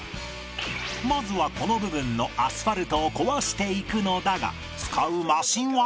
まずはこの部分のアスファルトを壊していくのだが使うマシンは